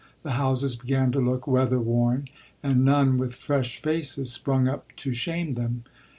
The houses began to look weather worn, and none with fresh faces sprung up to shame them.